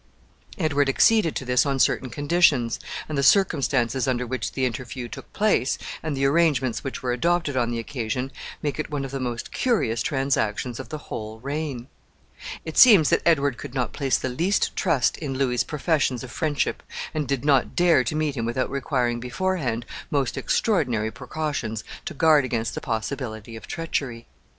Edward acceded to this on certain conditions, and the circumstances under which the interview took place, and the arrangements which were adopted on the occasion, make it one of the most curious transactions of the whole reign. It seems that Edward could not place the least trust in Louis's professions of friendship, and did not dare to meet him without requiring beforehand most extraordinary precautions to guard against the possibility of treachery.